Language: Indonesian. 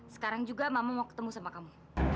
sekarang juga mama mau ketemu sama kamu